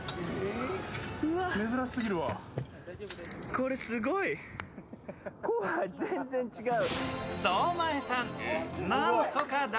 これすごい、全然違う。